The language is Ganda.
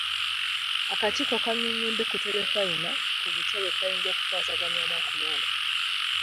Akakiiko kannyonnyodde ku terefayina ku butya bwe kayinza okuwasaganyaamu okulonda.